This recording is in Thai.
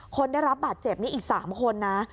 คนได้รับบาดเจ็บนี่อีก๓คนนะ